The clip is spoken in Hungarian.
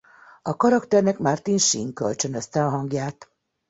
A karakternek Martin Sheen kölcsönözte a hangját.